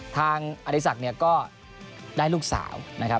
ทางอธิสักษ์ก็ได้ลูกสาวนะครับ